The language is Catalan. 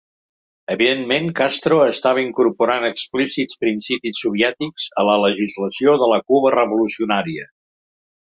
Evidentment, Castro estava incorporant explícits principis soviètics a la legislació de la Cuba revolucionària.